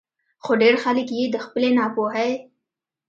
خو ډېر خلک ئې د خپلې نا پوهۍ